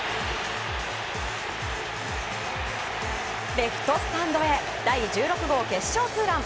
レフトスタンドへ第１６号決勝ツーラン！